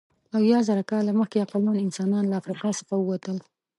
اویازره کاله مخکې عقلمن انسانان له افریقا څخه ووتل.